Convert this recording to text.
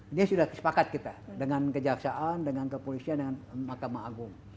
ini sudah kesepakat kita dengan kejaksaan dengan kepolisian dengan mahkamah agung